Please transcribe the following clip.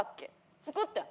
作ってん。